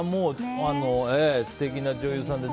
素敵な女優さんで。